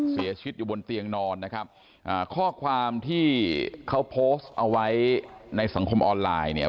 เสียชีวิตอยู่บนเตียงนอนนะครับอ่าข้อความที่เขาโพสต์เอาไว้ในสังคมออนไลน์เนี่ย